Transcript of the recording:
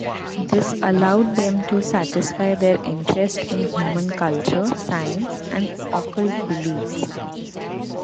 This allowed them to satisfy their interest in human culture, science, and occult beliefs.